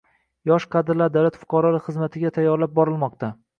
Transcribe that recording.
Yosh kadrlar davlat fuqarolik xizmatiga tayyorlab borilmoqda